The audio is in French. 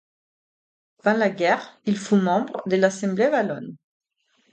Avant la guerre, il fut membre de l'Assemblée wallonne.